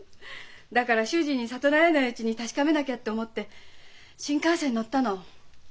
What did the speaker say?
だから主人に悟られないうちに確かめなきゃって思って新幹線に乗ったの。